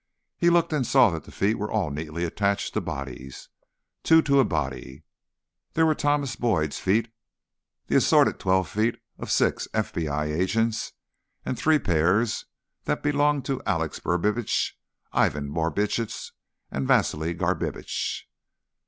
He looked and saw that the feet were all neatly attached to bodies, two to a body. There were Thomas Boyd's feet, the assorted twelve feet of six FBI agents, and three pairs that belonged to Alexis Brubitsch, Ivan Borbitsch and Vasili Garbitsch.